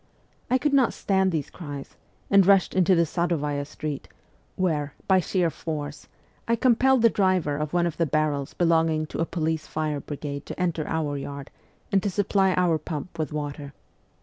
I could not stand these cries, and rushed into the Sadovaya street, where, by sheer force, I compelled the driver of one of the barrels belonging to a police fire brigade to enter our yard and to supply our pump with water.